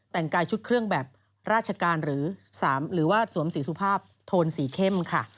แต่งกายชุดเครื่องแบบราชการหรือว่าสวมสีสุภาพโทนสีเข้มค่ะ